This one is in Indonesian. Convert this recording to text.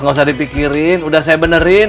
gak usah dipikirin